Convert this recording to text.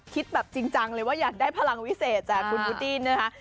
คิดแบบจริงจังว่าอยากได้พลังวิเศษจ้ะคุณพุทธินะคะ